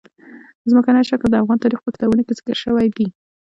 ځمکنی شکل د افغان تاریخ په کتابونو کې ذکر شوی دي.